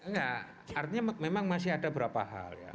enggak artinya memang masih ada beberapa hal ya